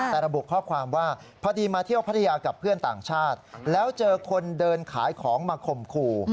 แต่ระบุข้อความว่าพอดีมาเที่ยวพัทยากับเพื่อนต่างชาติแล้วเจอคนเดินขายของมาข่มขู่